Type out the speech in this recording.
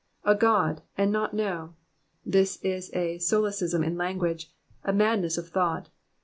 A God, and not know ! This iu a solecism in language, a madness of thought.